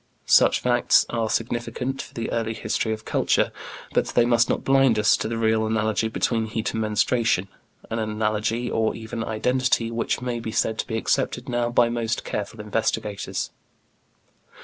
Such facts are significant for the early history of culture, but they must not blind us to the real analogy between heat and menstruation, an analogy or even identity which may be said to be accepted now by most careful investigators.